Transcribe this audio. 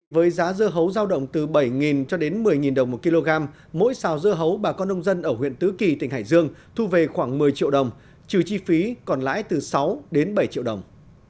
với giá dưa hấu giao động từ bảy cho đến một mươi đồng một kg mỗi xào dưa hấu bà con nông dân ở huyện tứ kỳ tỉnh hải dương thu về khoảng một mươi triệu đồng trừ chi phí còn lãi từ sáu đến bảy triệu đồng